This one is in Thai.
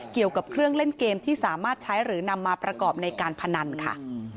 เกี่ยวกับเครื่องเล่นเกมที่สามารถใช้หรือนำมาประกอบในการพนันค่ะ